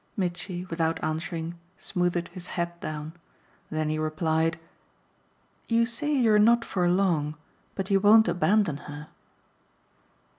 Mitchy, without answering, smoothed his hat down; then he replied: "You say you're not for long, but you won't abandon her."